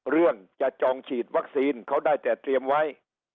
เรื่องจะจองฉีดวัคซีนเขาได้แต่เตรียมไว้